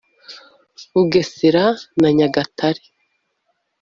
Bugesera na Nyagatare